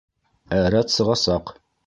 Ә рәт сығасаҡ.